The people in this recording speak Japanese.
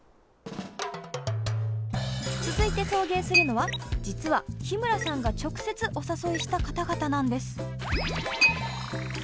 続いて送迎するのは実は日村さんが直接お誘いした方々なんです。